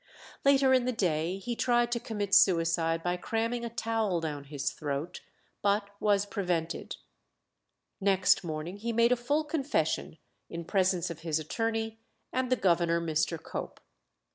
Later in the day he tried to commit suicide by cramming a towel down his throat, but was prevented. Next morning he made a full confession in presence of his attorney, and the governor, Mr. Cope.